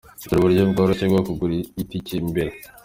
Dore uburyo bworoshye bwo kugura itike mbere:.